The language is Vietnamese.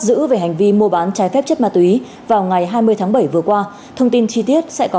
giữ về hành vi mua bán trái phép chất ma túy vào ngày hai mươi tháng bảy vừa qua thông tin chi tiết sẽ có